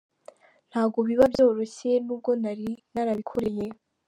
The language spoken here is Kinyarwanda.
Ntabwo biba byoroshye n’ubwo nari narabikoreye.